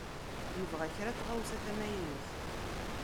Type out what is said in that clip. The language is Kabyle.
Nebɣa kra n tɣawsa tamaynutt.